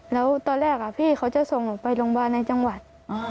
แล้วตอนแรกพี่เขาจะส่งหนูไปโรงพยาบาลในจังหวัด